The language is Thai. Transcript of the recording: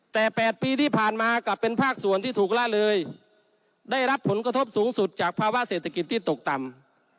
แต่๘ปีที่ผ่านมากลับเป็นภาคส่วนที่ถูกละเลยได้รับผลกระทบสูงสุดจากภาวะเศรษฐกิจที่ตกต่ำ